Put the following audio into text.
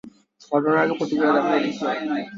ঘটনার আগে প্রতিক্রিয়া দেখানো ঠিক নয়।